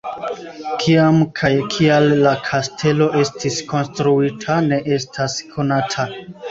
Kiam kaj kial la kastelo estis konstruita ne estas konata.